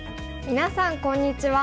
みなさんこんにちは。